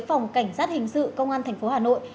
phòng cảnh sát hình sự công an thành phố hà nội